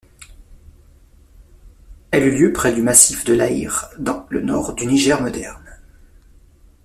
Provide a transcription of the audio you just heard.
Elle eut lieu près du massif de l'Aïr dans le nord du Niger moderne.